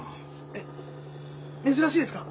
えっ珍しいですか？